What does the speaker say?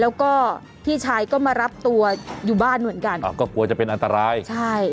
แล้วก็พี่ชายก็มารับตัวอยู่บ้านเหมือนกันอ๋อก็กลัวจะเป็นอันตรายใช่